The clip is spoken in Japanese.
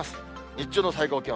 日中の最高気温。